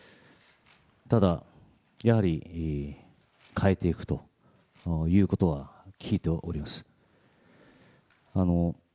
ただやはり、変えていくということは聞いております。